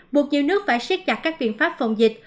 buộc nhiều nước phải xét chặt các viện pháp phòng dịch